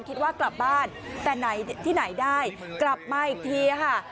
คิดว่ากลับบ้านแต่ไหนที่ไหนได้กลับมาอีกทีค่ะ